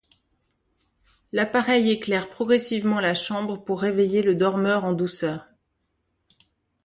L'appareil éclaire progressivement la chambre pour réveiller le dormeur en douceur.